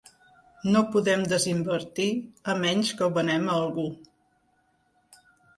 No podem des-invertir a menys que ho venem a algú.